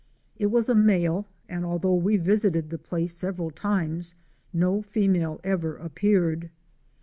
It was a male and although we visited the place several times no female ever appeared.